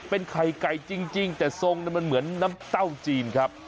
เป็นไข่ไก่จริงแต่ทรงมันเหมือนน้ำเต้าจีนครับ